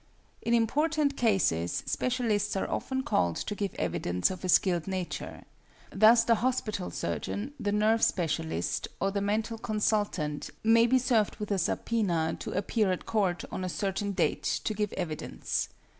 In important cases specialists are often called to give evidence of a skilled nature. Thus the hospital surgeon, the nerve specialist, or the mental consultant may be served with a subpoena to appear at court on a certain date to give evidence.